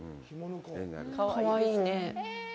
かわいいね。